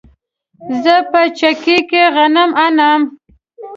زه په چکۍ کې غنم اڼم